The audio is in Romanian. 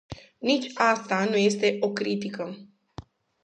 Nici asta nu este o critică.